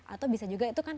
atau bisa juga itu kan